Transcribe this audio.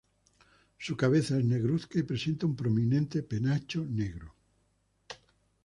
Su cabeza es negruzca y presenta un prominente penacho negro.